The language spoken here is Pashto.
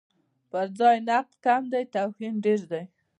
پرځای نقد کم دی، توهین ډېر دی.